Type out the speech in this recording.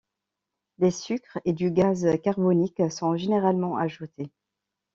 Des sucres et du gaz carbonique sont généralement ajoutés.